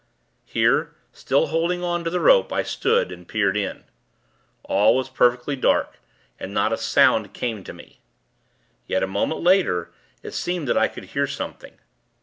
Here, still holding on to the rope, I stood, and peered in. All was perfectly dark, and not a sound came to me. Yet, a moment later, it seemed that I could hear something.